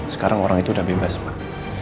sekarang orang itu udah bebas pak